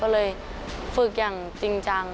ก็เลยฝึกอย่างจริงจัง